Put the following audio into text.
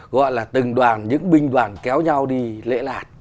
gọi là từng đoàn những binh đoàn kéo nhau đi lễ lạc